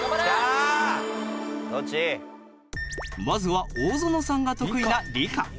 まずは大園さんが得意な理科。